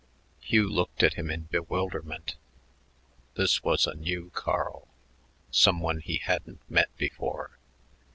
Hugh looked at him in bewilderment. This was a new Carl, some one he hadn't met before.